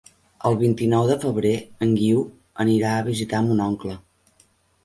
El vint-i-nou de febrer en Guiu anirà a visitar mon oncle.